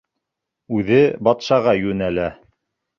Үҙе батшаға йүнәлә.